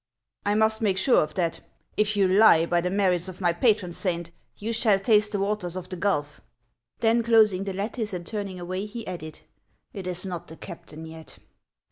" I must make sure of that. If you lie, by the merits of my patron saint, you shall taste the waters of the gulf !" Then, closing the lattice and turning away, he added :" It is not the captain yet."